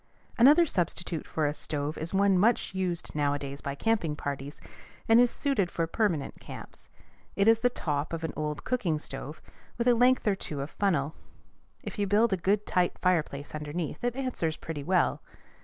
Another substitute for a stove is one much used nowadays by camping parties, and is suited for permanent camps. It is the top of an old cooking stove, with a length or two of funnel. If you build a good tight fireplace underneath, it answers pretty well.